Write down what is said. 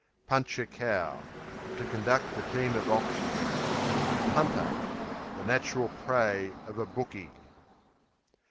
Punch a cow To conduct a team of oxen. Punter The natural prey of a "bookie," q.v.